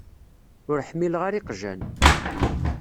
Ur ḥmileɣ ara iqjan.